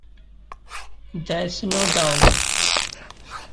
There's no doubt?